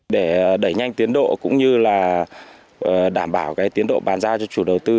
để đẩy nhanh tiến độ cũng như là đảm bảo tiến độ bàn giao cho chủ đầu tư